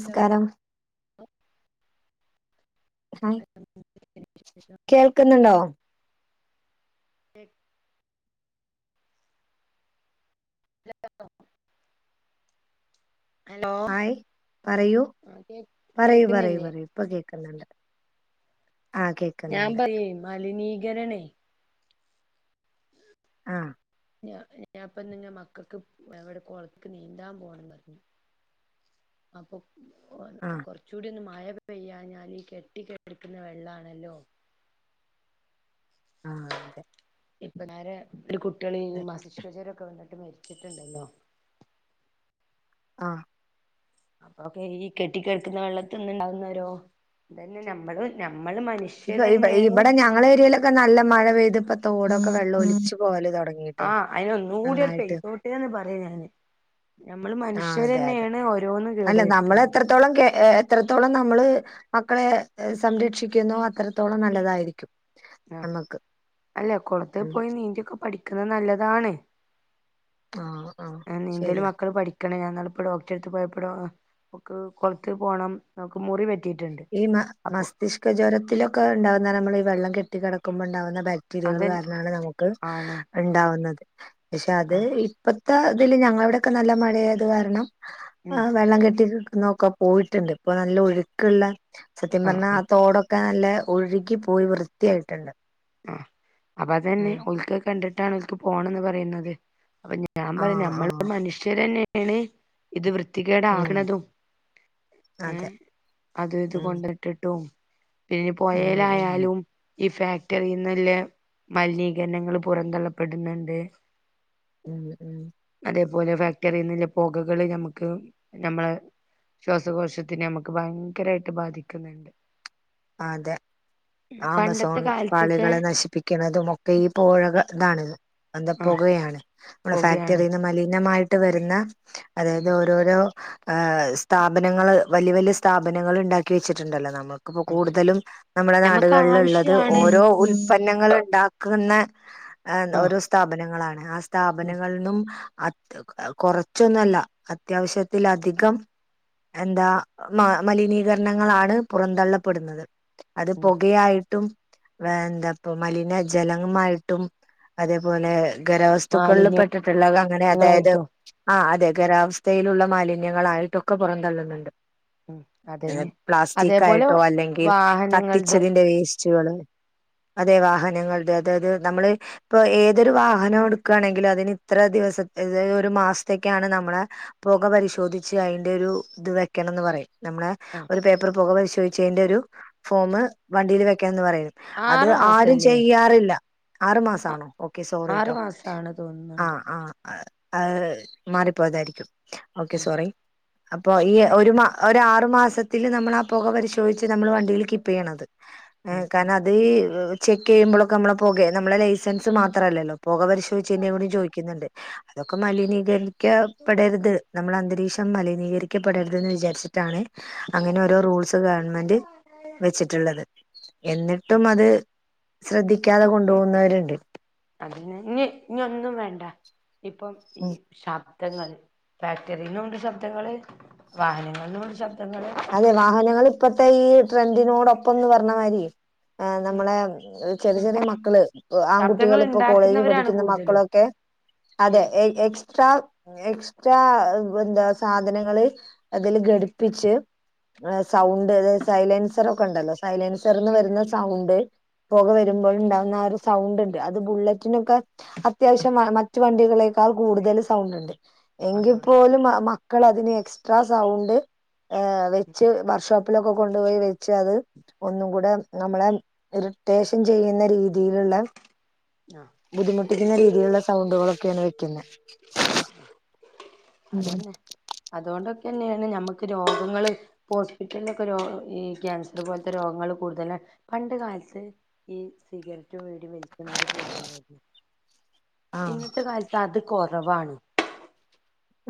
Hello hi. കേൾക്കുന്നുണ്ടോ? കേ [unintelligible] hello hi പറയൂ ആഹ് കേ പറയൂ പറയൂ കേക്കുന്നില്ലേ പറയൂ ഇപ്പൊ കേക്ന്ന്ണ്ട്. ഞാൻ പറ്യേ മലിനീകരണേ. ആഹ്. ഞ ഞാൻപ്പ ന്ന്ങ്ങ മക്കക്ക് എഹ് ഇവടെ കൊളത്ക്ക് നീന്താൻ പോണംന്നറഞ്ഞു. അപ്പൊ ഓൻ ആഹ്. കൊർച്ചൂട്യൊന്ന് മഴ പെയ്യാഞ്ഞാല് ഈ കെട്ടി കെടക്ക്‌ന്ന വെള്ളാണല്ലോ. ആഹ് അതെ. ഇപ്പ നേരെ ഒര് കുട്ടികള് ഈ അതെ മസ്തിഷ്ക ജ്വരൊക്കെ വന്നിട്ട് മരിച്ചിട്ടുണ്ടല്ലോ ആഹ് അപ്പൊക്കെ ഈ കെട്ടികെടക്കുന്ന വെള്ളത്തിന്ന് ഇണ്ടാവുന്നോരോ ഇതന്നെ ഞമ്മള് ഞമ്മള് മനുഷ്യ ഇബ ഇബ ഇബടെ ഞങ്ങളേരിയയിലൊക്കെ നല്ല മഴ പെയ്തപ്പ തോടൊക്കെ വെള്ളോലിച്ച് പോവല് തൊടങ്ങ് ആഹ്. അയിനൊന്നൂടിയൊന്ന് പെയ്തോട്ടേന്ന് പറയാ ഞാന്. ഞമ്മള് ആ അതെ അതെ മനുഷ്യരന്നേണ് അല്ല നമ്മളെത്രത്തോളം കേ ഏഹ് ഏഹ് എത്രത്തോളം നമ്മള് മക്കളെ സംരക്ഷിക്കുന്നോ അത്രത്തോളം നല്ലതായിരിക്കും. ആഹ്. നമ്മക്ക് അല്ല ഉം കൊളത്തിപ്പോയി നീന്തിയൊക്കെ പഠിക്കുന്നത് നല്ലതാണ് ആ ആ ആഹ് നീന്തല് ശരിയാ മക്കള് പഠി ക്ക്ണ്. ഞാൻ ഇന്നാള് ഇപ്പോ ഡോക്ടറെടുത്ത് പോയപ്പോ, ഡോ ഓൾക് കൊളത്ത് പോണം. ഓൾക്ക് മുറി പറ്റിട്ടുണ്ട് അപ്പോ. ക്ക ജ്വരത്തിലൊക്കെ ഇണ്ടാവുന്ന, നമ്മള് ഈ വെള്ളം കെട്ടി കടക്കുമ്പോണ്ടാവുന്ന ബാക് ക്ടിരിയകള് അതന്നെ കാരണാണ് നമുക്ക് ആണ് ഇണ്ടാവുന്നത്. പക്ഷേ അത് ആഹ് ഇപ്പ ത്ത ഇതില് ഞങ്ങളിവിടെയൊക്കെ നല്ല മഴയായത് കാരണം, ആ ഉം വെള്ളം കെട്ടി നോക്കും. പോയിട്ടുണ്ട് ഇപ്പ നല്ല ഒഴുക്ക്ള്ള സത്യം പറഞ്ഞാ, ആഹ് തോടൊക്കെ നല്ല ഒഴുകി പോയി വൃത്തിയായിട്ടുണ്ട്. ആഹ്, അപ്പ അതന്നെ. ഉം ഒഴുക്കൊക്കെ കണ്ടിട്ടാണ് ഓൽക് പോണംന്ന് പറയുന്നത്. അപ്പ ഞ ഞാൻ പറയും, ആഹ് ഞമ്മള് ആഹ് മനുഷ്യരെന്നേണ് ഇത് ഉം വൃത്തികേടാകണതും, അതെ ഏഹ്, അത് ഇത് ഉം കൊണ്ട് ഇട്ടിട്ടും പിന്നെ ഉം ഉം പൊയേലായാലും ഈ ഫാക്ട് ട്ടറീന്ന്ള്ള മലിനീകരണങ്ങള് പുറം തള്ളപ്പെടുന്നുണ്ട്. ഉം. ഉം അതേപോലെ ഫാക്ടറിന്ന് ഇള്ള പൊകകള് ഞമുക്ക് ഞമ്മള് ശ്വാസകോശത്തിനെ ഞമ്മുക്ക് ഭയങ്കരായിട്ട് ബാധിക്കുന്നുണ്ട്. അതെ, ആമസോൺ പണ്ടത്തെ പാളി കാലത്തൊക്കെ കളെ നശിപ്പിക്കണതും ഒക്കെ ഈ പോഴക ഇതാണ്. എന്താ ആഹ് പൊകയാണ്. നമ്മളെ പൊകയാണ് ഫാക്ടറീ മലിനമായിട്ട് വരുന്ന അതായത് ഉം ഓരോ ഓരോരോ ഏഹ് സ്ഥാപനങ്ങള് വല്യ വല്യ സ്ഥാപനങ്ങള് ഇണ്ടാക്കി വെച്ചിട്ടുണ്ടല്ലോ. നമുക്ക് അതന്നെ കൂടുതലും നമ്മുടെ ഞമ്മക്ക് നാടുകളില്ള്ളത്, ആവശ്യാണ് ഓരോ ഉൽപന്നങ്ങള് ഇണ്ടാക്കുന്ന ഏഹ് ആഹ് ഓരോ സ്ഥാപനങ്ങളാണ്. ആ ഉം സ്ഥാപനങ്ങൾന്നും കൊറച്ചൊന്ന്വല്ല. അത്യാവശ്യത്തിലധികം എന്താ? മ മലിനീകരണങ്ങളാണ് പുറന്തള്ള പെടുന്നത്. അത് ഉം പൊകയായിട്ടും വേറെന്താപ്പ മലിന ജലങ്ങമായിട്ടും, അതേപോലെ ഖരവസ്തുക്കളില് പെട്ടിട്ടുള്ളത് അങ്ങനെ അതായത് മാലിന്യങ്ങളായിട്ടും ആഹ് അതെ. ഖരാവസ്ഥയിലുള്ള മാലിന്യങ്ങളായിട്ടൊക്കെ പുറന്തള്ളുന്നുണ്ട്. ഉം ഏഹ് അതന്നെ അതേപോലെ പ്ലാസ്റ്റിക്കായിട്ടോ, അല്ലെങ്കിൽ വാഹനങ്ങൾത് കത്തിച്ചതിന്റെ വേസ്റ്റുകള് അതെ വാഹനങ്ങളുടെ, അതായത് നമ്മള് ഇപ്പോ ഏതൊരു വാഹനം എടുക്കാണെങ്കിലും, അതിന് ഇത്ര ദിവസ ഒരു മാസത്തേക്കാണ് നമ്മള് പൊക പരിശോധിച്ച് അയിന്റെ ഒരു ഇത് വെക്കണംന്ന് പറയാം. നമ്മളെ ആഹ് ഒരു പേപ്പർ പൊക പരിശോധിച്ചതിന്റെ ഒരു ഫോമ്, വണ്ടിൽ വെക്കണംന്ന് പറയുന്നത്. അത് ആറ് ആരും മാസല്ലേ ചെയ്യാറില്ല. ആറു മാസാണോ? ഓക്കെ ആറ് സോറിട്ടോ. മാസാണ് തോന്നുന്നുണ്ട് ആഹ് ആഹ്. അത് മാറിപ്പോയതായിരിക്കും. ഓക്കെ ഉം സോറി. അപ്പോ ഈ ഒരു മ ഒര് ആറു മാസത്തില് നമ്മളാ പൊക പരിശോ ഒഴിച്ച് നമ്മള് വണ്ടിയില് കീപ്പെയ്യണത് ഉം ഉം കാരണം അത് വെ- ചെക്കെയ്യുമ്പളൊക്കെ നമ്മളെ പൊകെ നമ്മളെ ലൈസൻസും മാത്രല്ലല്ലൊ പൊക പരിശോയ്ചേന്റേം കൂടി ചോയിക്കുന്നുണ്ട്. ഇതൊക്കെ മലിനീകരിക്കപ്പെടരുത് നമ്മള അന്തരീക്ഷം മലിനീകരിക്കപ്പെടരുത് ന്ന് വിചാരിച്ചി ട്ടാണ് അങ്ങനെ ഓരോ റൂൾസ് ഗവൺമെന്റ് വെച്ചിട്ടുള്ളത്. ആ എന്നിട്ടും അത് ശ്രദ്ധിക്കാതെ കൊണ്ടു പോകുന്നവരുണ്ട്. അതിന് ഞ് ഞ്ഞി ഒന്നും വേണ്ട ഇപ്പം ഈ. ഉം ശബ്ദങ്ങൾ ഫാക്ടറിന്നുണ്ട് ശബ്ദങ്ങള്, വാഹനങ്ങൾന്നുണ്ട് ശബ്ദങ്ങള്. അതെ വാഹനങ്ങൾ ഇപ്പത്തെ ഈ ട്രെൻഡിനോടൊപ്പംന്ന് പറഞ്ഞ മായിരി ആ നമ്മളെ... ഈ ചെറിയ ചെറിയ മക്കള് ശബ്ദങ്ങൾ ആൺകുട്ടികൾ ഇപ്പൊ കോളേജിൽ ഉണ്ടാക്കുന്നവരാണ് പഠിക്കുന്ന കൂടുതലും മക്കളൊക്കെ. അതെ ഉം എ എക്സ്ട്രാ- എക്സ്ട്രാ ഇപ്പെ എന്താ സാധനങ്ങള് അതില് ഘടിപ്പിച്ച്... ആ സൗണ്ട് അതായ സൈലൻസറൊക്കെ ഉണ്ടല്ലോ സൈലൻസർന്ന് വരുന്ന സൗണ്ട്.. പൊക വരുമ്പോഴുണ്ടാകുന്ന ആ ഒരു സൗണ്ട് ഉണ്ട് അത് ബുള്ളറ്റിനൊക്കെ.. അത്യാവശ്യമാണ് മറ്റു വണ്ടികളെക്കാൾ കൂടുതൽ സൗണ്ട് ഇണ്ട്. ആ എങ്കിൽ സൗണ്ട് പോലും മ മക്കൾ അതിന് എക്സ്ട്രാ സൗണ്ട്. ആഹ് വെച്ച് വർഷോപ്- ലൊക്കെ കൊണ്ടുപോയി വെച്ച് അത് ഒന്നും കൂടെ നമ്മളെ ഇറിട്ടേഷൻ ചെയ്യുന്ന രീതി രീതിയിലിള്ളെ ആ ബുദ്ധിമുട്ടിക്കുന്ന രീതിയിലുള്ള സൗണ്ടുകളൊക്കെയാണ് വെക്കുന്നെ അതെനെ അതൊണ്ടൊക്കെന്നെണ് നമ്മക്ക് രോഗങ്ങള്. ഇപ്പ ഹോസ്പിറ്റലിലൊക്കെ രോ ഈ ക്യാൻസർ പോലത്തെ രോഗങ്ങള് കൂടുതല പണ്ട് കാലത്ത്. ഈ സിഗരറ്റും വീടി വലിക്കുന്നര് കൂടുതലായിരുന്നു. ആ ഇന്നത്തെ കാലത്ത് അത് കൊറവാണ്.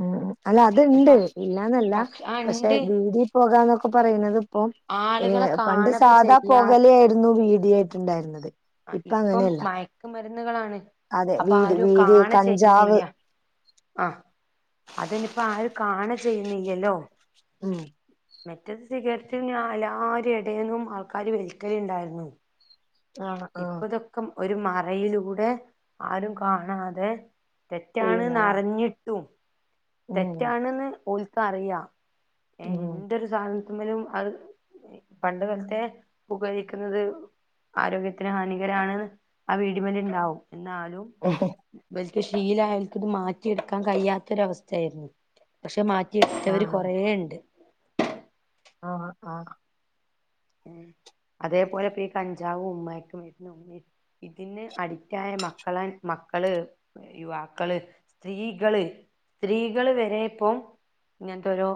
ഉം ഉം അല്ല അത്ണ്ട് പ ഇല്ലാന്നല്ല പക്ഷ ആ പക്ഷെ ഉണ്ട് വീടി പോകാന്നൊക്കെ പറയുന്നത്. ഇപ്പൊ ആളുകളെ പണ്ട് കാണപ്പൊ സാധാ ചെയ്യാ പൊകലെയാര്ന്നു വീടിയായിട്ടുണ്ടായിരുന്നത്. അ ഇപ്പം മയക്കുമരുന്നുകളാണ്. അതെ അപ്പ വീതി ആരും വീതി കാണെ കഞ്ചാവ് ചെയ്യുന്നില്ല. ആഹ അതെനിപ്പോ ആരും കാണെ ചെയ്യുന്നില്ലല്ലോ ഉം മറ്റെത് സിഗരറ്റ് ഞാ എല്ലാരെടേന്നും ആൾക്കാര് വലിക്കലിണ്ടായിരുന്നു. ആഹ് ആഹ് ഇപ്പ ഇതൊക്കെ ഒരു മറയിലൂടെ ആരും കാണാതെ. തെറ്റാണ്ന്ന് ചെയ്യുന്നതാ അറിഞ്ഞിട്ടും ഉം തെറ്റാണെന്ന് ഓൽക്ക് അറിയാ ഏഹ് ഉം എന്തൊരുതാണ്. മിലും അത് പണ്ട് തൊട്ടേ പുകവലിക്കുന്നത് ആരോഗ്യത്തി- ന് ഹാനികരാണ് ആ വീടിമല്ണ്ടാവും എന്നാലും. എഹെ ഇബൽക്ക് ശീലായൊൽക് ഇത് മാറ്റിയെടുക്കാൻ കഴിയാത്തൊര അവസ്ഥയായിരുന്നു പക്ഷെ മാറ്റി- എട്ത്തോര് കൊറേ ഇണ്ട്. ആഹ ആഹ ഏഹ് അതേപോലെ ഇപ്പ ഈ കഞ്ചാവും മയക്ക മരുന്നും ഇ- ഇതിന് അഡിറ്റായ മക്കളെ മക്കള്. യുവാക്കള് സ്ത്രീകള് സ്ത്രീകള് വെരെ ഇപ്പൊ ഇങ്ങനത്തെ ഒരോ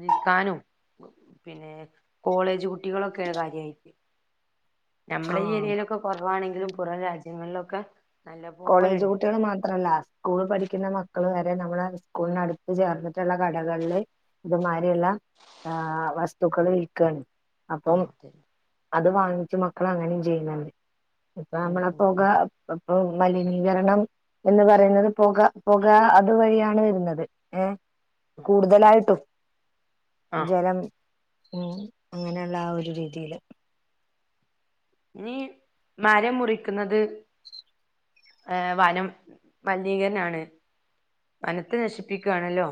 വിൽക്കാനും പിന്നെ കോളേജ് കു- കുട്ടികളൊക്കെയാണ് കാര്യയിട്ട് നമ്മളെ ഈ ആഹ് ഏരിയിലൊക്കെ കൊ - കുറവാണെങ്കിലും പുറം രാജ്യങ്ങളിലൊക്കെ നല്ല കോളേജ് പോലെണ്ട് കുട്ടിൾ മാത്രല്ലാസ്- സ്കൂള് പഠിക്കുന്ന മക്കള് വരെ നമ്മള് സ്കൂളിനടുത്ത് ചേർന്നിട്ടുള്ള കടകളില് ഇതുമാരിള്ള ആഹ് വസ്തുക്കൾ വിൽക്കാണ്. ആ അപ്പം അതെ അത് വാങ്ങിച്ചു മക്കൾ അങ്ങനിം ചെയ്യുന്നുണ്ട് ഇപ്പൊ ഉം നമ്മളെ ഉം പൊക ഉം ഇപ്പൊ മലിനീകരണം എന്ന് പറയുന്നത് പൊക പൊക അതുവഴിയാണ് വരുന്നത് ഏഹ് കൂടുതലായിട്ടും ആ ജലം ഉം അങ്ങനെയുള്ള ആ ഒരു രീതിയില്. ഇനി മരം മുറിക്കുന്നത് ഏഹ് വനം മലിനീകരണാണ് വനത്തെ നശിപ്പിക്കാണല്ലോ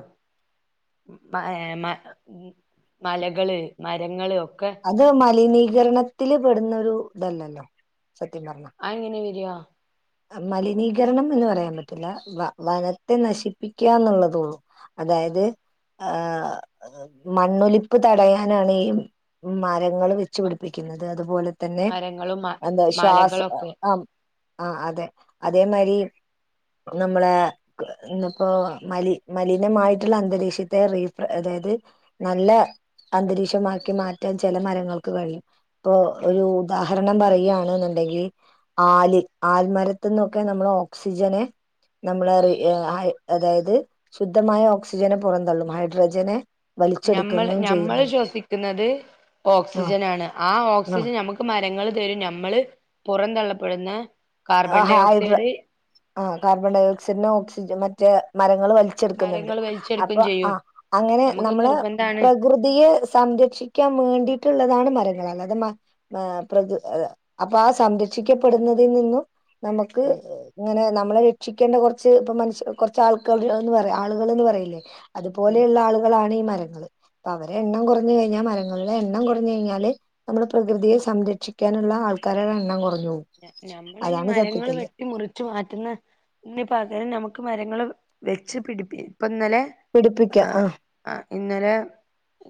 ഏഹ് മ മലകള് മരങ്ങള് ഒക്കെ അത് മലിനീകരണത്തില് പെടുന്നൊരു ഇതല്ലല്ലോ സത്യം പറഞ്ഞ. അഹ് എങ്ങനെ വരാ മലിനീകരണം എന്ന് പറയാൻ പറ്റില്ല വ വനത്തെ നശിപ്പിക്കാന്നുള്ളതൊള്ളൂ. അതായത് ഏഹ് മണ്ണൊലിപ്പ് തടയാനാണ് ഈ മരങ്ങൾ വെ ച്ചു പിടിപ്പിക്കുന്നത്. അതുപോലെ തന്നെ മരങ്ങളും എന്താ ശ്വാസ മലകളൊക്കെ ആ ആ അതെ അതേ മാരി നമ്മളെ ഇന്ന് പ്പോ മലി മലിനമായിട്ടുള്ള അന്തരീക്ഷത്തെ റീഫ്ര അതായത്. നല്ല അന്തരീക്ഷമാക്കി മാറ്റാൻ ചെല മരങ്ങൾക്ക് കഴിയും ഇപ്പൊ ഒരു ഉദാഹരണം പറയാണ്ന്നുണ്ടെങ്കിൽ ആല് ആൽമരത്തുന്നൊക്കെ നമ്മള് ഓക്സിജനെ നമ്മള് പറയും ഏഹ് ആയ് അതായത് ശുദ്ധമായ ഓക്സിജനെ പുറം തള്ളും ഹൈഡ്രജനെ ഞമ്മള് വലിച്ചെടുക്കുന്നതും ഞമ്മള് ചെയ്യുന്നുണ്ട് ശ്വസിക്കുന്നത് ഓക്സിജൻ ആണ് ആ ഓക്സിജൻ നമുക്ക് മരങ്ങള് തരും നമ്മള് പുറം തള്ളപ്പെടുന്ന ആഹ് ഹൈഡ്ര ആ കാർബൺഡൈഓക്സൈഡിനെ ഓക്സിജ മറ്റെ മരങ്ങൾ വലി ച്ചെടുക്കുന്നുണ്ട് മരങ്ങൾ വലിച്ചെടുക്കും അപ്പൊ ആ ചെയ്യും അങ്ങനെ നമുക്ക് നമ്മള് നിർബന്ധാണ് പ്രകൃ തിയെ സംരക്ഷിക്കാൻ വേണ്ടിട്ടുള്ളതാണ് മരങ്ങള് അല്ലാതെ മ ആഹ് പ്രകൃ അത് അപ്പൊ ആ സംരക്ഷിക്കപ്പെടുന്നതിൽ നിന്നും നമുക്ക് ഉം ങ്ങനെ നമ്മളെ രക്ഷിക്കേണ്ട കുറച്ച് ഇപ്പ മനുഷ്യ കുറച്ച് ആൾക്കാര്ന്ന് പറ ആളുകള്ന്ന് പറയില്ലേ ഉം അതുപോലെയുള്ള ആളുകളാണ് ഈ മരങ്ങള് അപ്പൊ അവരെ എണ്ണം കുറഞ്ഞ കഴിഞ്ഞാ മരങ്ങളുടെ എണ്ണം കുറഞ് കഴിഞ്ഞാല് നമ്മുടെ പ്രകൃതിയെ സംരക്ഷിക്കാനുള്ള ആൾക്കാരുടെ എണ്ണം കുറഞ്ഞു പോവും ഏഹ് ഞമ്മളിനി മരങ്ങള് വെട്ടി മുറി ച്ചു മാറ്റുന്ന ന് പകരം നമുക്ക് മരങ്ങള് വെച്ച് പിടിപ്പി ഇപ്പ ഇന്നലെ ആഹ് ആഹ് ഇന്നലെ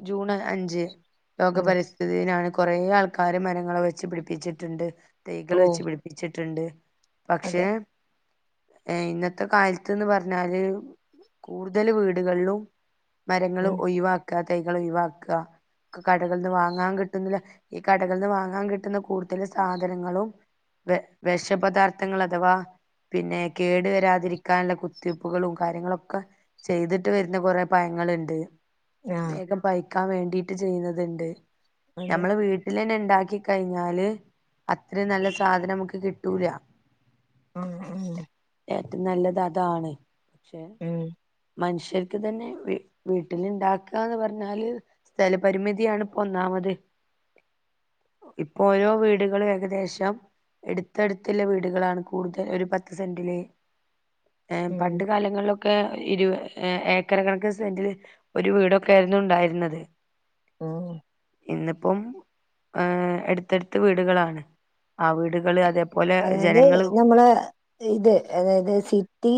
ജൂണ് അഞ്ച് ഉം ലോകപരിസ് ഥിതി ദിനാണ് കുറേ ആൾക്കാര് മരങ്ങള് വെച്ച് പിടിപ്പിച്ചിട്ടുണ്ട് തൈകൾ ഓ വെച്ച് പിടിപ്പ ച്ചിട്ടുണ്ട് പക്ഷെ അതെ ഏഹ് ഇന്നത്തെ കാലത്ത്ന്ന് പറഞ്ഞാല് കൂടുതല് വീടുകളിലും മരങ്ങള് ഉം ഒഴിവാക്ക തൈകൾ ഒയിവാക്ക ഒക്കെ കടകളിൽ നിന്ന് വാങ്ങാൻ കിട്ടുന്നില്ല ഈ കടകളിൽന്ന് വാങ്ങാൻ കിട്ടുന്ന കൂടുതൽ സാധനങ്ങളും വെ വെഷ പദാർത്ഥങ്ങൾ അഥവാ പിന്നെ കേടു വരാതിരിക്കാനുള്ള കുത്തിവയ്പ്പുകളും കാര്യങ്ങളൊക്കെ ചെയ്തിട്ട് വരുന്ന കൊറെ പയങ്ങളുണ്ട് ആഹ് വേഗം പയ്ക്കാൻ വേണ്ടിട്ട് ചെയ്യുന്നത്ണ്ട് അതെ ഞമ്മള് വീട്ടി ട്ടിലെന്നെ ണ്ടാക്കി കഴിഞ്ഞാല് അത്രയും നല്ല സാധനം മുക്ക് കിട്ടൂല ഉം ഏറ്റം നല്ലത് അതാണ് പക്ഷെ ഉം മനുഷ്യർക്ക് തന്നെ വീ വീട്ടിലുണ്ടാക്കാന്ന് പറഞ്ഞാല് സ്ഥലപരിമിതിയാണ് ഇപ്പ ഒന്നാമത് ഇപ്പൊ ഓരോ വീടുകളും ഏകദേശം എടുത്തടുത്തുള്ള വീടുകളാണ് കൂടുതൽ ഒരു പത്ത് സെന്റിലെ ഏഹ് പണ്ട് ഉം കാലങ്ങളിലൊക്കെ ഇരുവ ഏക്കറ് കണക്കന് സെന്റില് ഒരു വീടൊക്കെ ആയിരുന്നു ഉണ്ടായിരുന്നത് ആഹ് ഇന്നിപ്പം ഏഹ് എടുത്തടുത്ത് വീടുകളാണ് ആ വീടുകൾ അതേ അതായത് നമ്മടെ ഇത് അതായത് സിറ്റി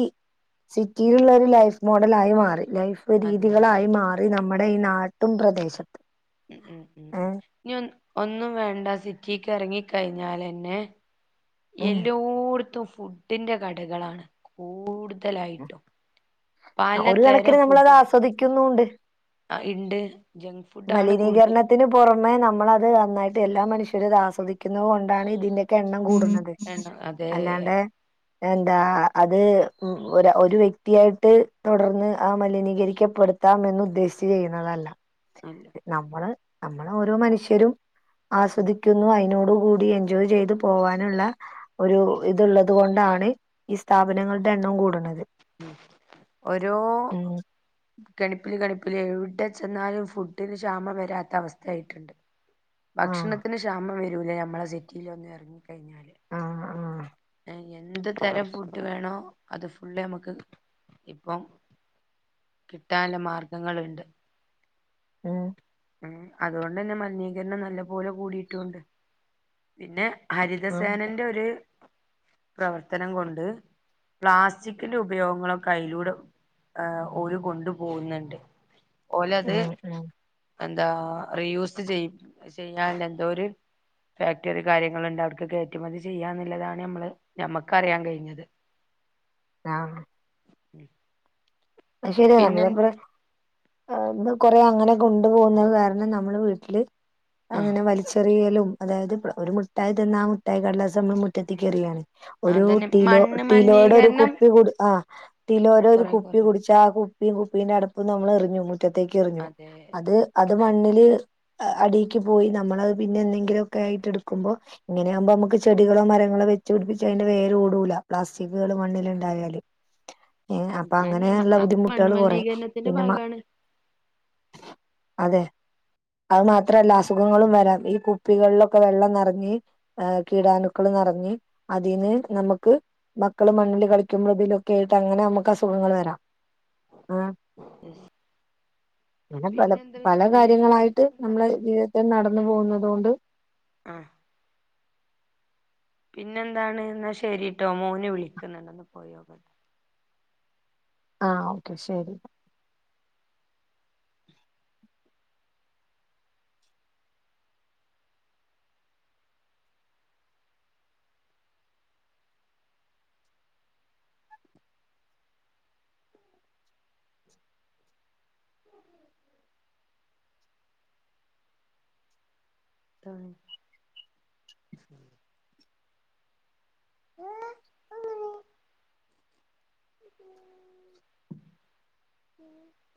സിറ്റിയിലുള്ള ഒരു ലൈഫ് മോഡൽ ആയി മാറി ലൈഫ് അതെ രീതികളായി മാറി നമ്മുടെ ഈ നാട്ടും പ്രദേശം ഉം ഉം ഉം നി ഒ ഒന്നും വേണ്ട സിറ്റിക്ക് ഇറങ്ങിക്കഴിഞ്ഞാലെന്നെ ഉം എല്ലോടത്തും ഫുഡിന്റെ കടകളാണ് കൂടുതലായിട്ടും ഒരു പലതരം കണക്കിന് നമ്മള് അത് ആസ്വദിക്കുന്നു ഉണ്ട് ആഹ് ഇണ്ട് ജങ്ക് ഫുഡ് ആണ് കൂടുതലും മലിനീകരണത്തിന് പുറമെ നമ്മളത് നന്നായിട്ട് എല്ലാ മനുഷ്യരും ഇത് ആസ്വദിക്കുന്നത് കൊണ്ടാണ് ഇതിന്റെയൊക്കെ എണ്ണം കൂടുന്നത് എണ്ണ അതെ അല്ലാണ്ടേ എന്താ അത് ഒരു വ്യക്തിയായിട്ട് തുടർന്ന് ആ മലിനീകരിക്കപ്പെടു ത്താം എന്ന് ഉദ്ദേശിച്ച് ചെയ്യുന്നതല്ല അതെ നമ്മള് നമ്മള ഓരോ മനുഷ്യരും ഉം ആസ്വദിക്കു ന്നു അതിനോട് കൂടി എൻജോയ് ചെയ്ത് പോകാനുള്ള ഒരു ഇത്ള്ളത് കൊണ്ടാണ് ഈ സ്ഥാപനങ്ങളുടെ എണ്ണം കൂടുന്നത് ഒരോ ഉം കടുപ്പില് കടുപ്പില് എവിടെ ചെന്നാലും ഫുഡിന് ക്ഷാമം വരാത്ത അവസ്ഥയായിട്ടുണ്ട് ആഹ് ഭക്ഷണത്തിന് ക്ഷാമം വരൂല ഞമ്മളെ സിറ്റിൽ ഒന്ന് ഇറങ്ങി കഴിഞ്ഞാല് ആഹ് ആഹ് എന്ത് തരം ഫുഡ് വേണോ അത് ഫുള് നമുക്ക് കിട്ടും ഇപ്പം കിട്ടാന് മാർഗങ്ങളുണ്ട് ഉം ഉം അതുകൊണ്ട് തന്നെ മലിനീകരണം നല്ലപോലെ കൂടിയിട്ടും ഉണ്ട് പിന്നെ ആഹ് ഹരിതസേനേന്റെ ഒരു പ്രവർത്തനം കൊണ്ട് പ്ലാസ്റ്റിക്കിന്റെ ഉപയോഗങ്ങളൊക്കെ അയിലൂടെ ഓര് കൊണ്ടു പോകുന്നുണ്ട് ഓലത് ഉം ഉം എന്താ റീയൂസ് ചെയ് ചെയ്യാൻ എന്തോ ഒര് ഫാക്ടറി കാര്യങ്ങളുണ്ട് അവർക്ക് കയറ്റുമതി ചെയ്യാന്നുള്ളതാണ് നമ്മള് ഞമ്മക്ക് അറിയാൻ കഴിഞ്ഞത് [inaudible] ആഹ് [inaudible] അത് ശരിയ പിന്നെ നമ്മളെ [unintelligible] ഇത് കൊറേ അങ്ങനെ കൊണ്ടു പോകുന്നത് കാരണം നമ്മള് വീട്ടില് ആ അങ്ങനെ വലിച്ചെറിയലും അതായത് ഒരു മുട്ടായി തിന്ന ആ മുട്ടായി കടലാസ്‌ നമ്മള് മുറ്റത്തേക്കെറിയാണ് ഒരു അതന്നെ ടിലോ മണ്ണ് ടിലോടെ ഒരു മലിനീകരണം കുപ്പിടു ആ ടിലോയുടെ ഒരു കൊറെ കുപ്പി- കൊറഞ്ഞു പക്ഷെ ആ കുപ്പിയും കുപ്പീന്റെ അടപ്പും നമ്മ എറിഞ്ഞു മുറ്റത്തേക്ക് എറിഞ്ഞു അതെ അത് അത് മണ്ണില്- അടിക്ക് പോയി നമ്മള് അത് പിന്നെ എന്തെങ്കിലുമൊക്കെ ആയിട്ട് എടുക്കുമ്പോ- ഇങ്ങനെ ആകുമ്പോ നമുക്ക് ചെടികളോ മരങ്ങളോ വെച്ച് പിടിപ്പിച്ച് അതിന്റെ വേര് ഓടുല പ്ലാസ്റ്റിക്കുകള് മണ്ണില് ഉണ്ടായാല് ഏ അപ്പൊ അതന്നെ അങ്ങനെയുള്ള അത് മണ്ണ് ബുദ്ധിമുട്ടുകള് കൊറയും മലിനീകരണത്തിന്റെ പിന്നെ മക്ക ഭാഗമാണ് - അതെ അതു മാത്രല്ല അസുഖങ്ങളും വരാം ഈ- കുപ്പികളിലൊക്കെ വെള്ളം നെറഞ്ഞ് കീടാനുക്കൾ നെറഞ്ഞ് അതിന് നമുക്ക്- മക്കള് മണ്ണിൽ കളിക്കുമ്പോൾ ഇതിലൊക്കെ ആയിട്ട് അങ്ങനെ നമുക്ക് അസുഖങ്ങൾ വരാം ആഹ് എസ് അങ്ങനെ പല പല കാര്യങ്ങളായിട്ട് പിന്നെ നമ്മള് ജീവിത്തിൽ നടന്നു പോകുന്നുന്നത് കൊണ്ട്- ആഹ് പിന്നെന്താണ് എന്നാ ശരിട്ടോ മോന് വിളിക്കുന്നുണ്ടന്ന് ഒന്ന് പോയി നോക്കട്ടെ ആ ഓക്കെ ശരി ആഹ് [inaudible] [inaudible]